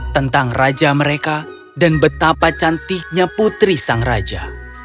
tentang raja mereka dan betapa cantiknya putri sang raja